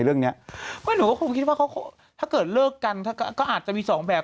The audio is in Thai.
เรื่องเนี้ยไม่หนูก็คงคิดว่าเขาถ้าเกิดเลิกกันก็อาจจะมีสองแบบ